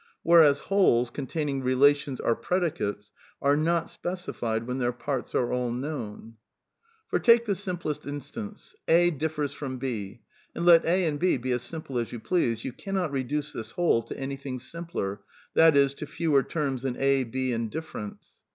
Whereas wholes containing relations or predicates y* " are not specified when their parts are all known." {Ibid. p. /. 140.) THE NEW KEALISM 187 For, take the simplest instance, "A differs from B," and let A and B be as simple as you please, you cannot reduce this whole to anything simpler, t.e. to fewer terms than " A,'^ " B," and " difference."